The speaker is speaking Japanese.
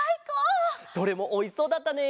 どれもおいしそうだったね！